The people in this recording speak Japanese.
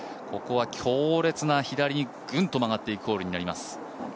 ここは強烈な左にグンと曲がっていくホールになります。